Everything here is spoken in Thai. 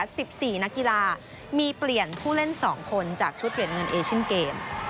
สิบสี่นักกีฬามีเปลี่ยนผู้เล่นสองคนจากชุดเปลี่ยนเงินเอเชียนเกม